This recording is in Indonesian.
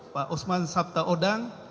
pak osman sabta odang